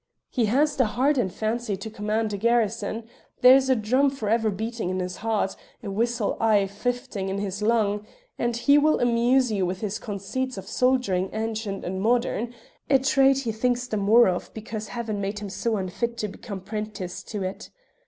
"He has the heart and fancy to command a garrison; there's a drum forever beating in his head, a whistle aye fifing in his lug, and he will amuse you with his conceits of soldiering ancient and modern, a trade he thinks the more of because Heaven made him so unfit to become 'prentice to it.